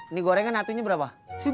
ini gorengan atunya berapa